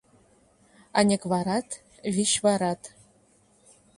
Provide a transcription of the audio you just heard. Аньыкварат — вич варат